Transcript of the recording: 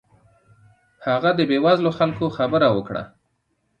هغه د بې وزلو خلکو خبره وکړه.